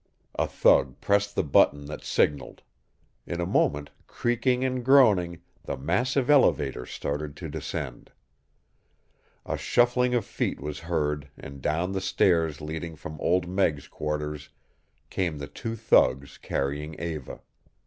A thug pressed the button that signaled. In a moment, creaking and groaning, the massive elevator started to descend. A shuffling of feet was heard and down the stairs leading from Old Meg's quarters came the two thugs carrying Eva.